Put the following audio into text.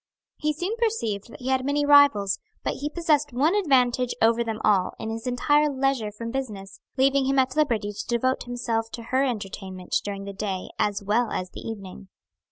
He soon perceived that he had many rivals, but he possessed one advantage over them all in his entire leisure from business, leaving him at liberty to devote himself to her entertainment during the day as well as the evening.